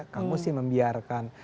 kamu sih membiarkan